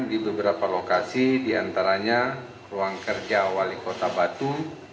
di beberapa lokasi diantaranya ruang kerja wali kota batu